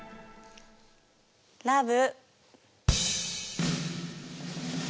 ラブ。